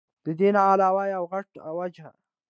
د دې نه علاوه يوه غټه وجه